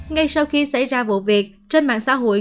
ngay sau khi xảy ra vụ việc trên mạng xã hội